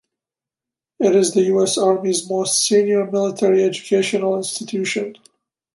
It is the U. S. Army's most senior military educational institution.